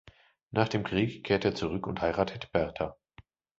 Nach dem Krieg kehrt er zurück und heiratet Bertha.